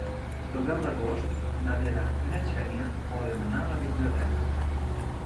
El deu d'agost na Vera i na Xènia volen anar a la biblioteca.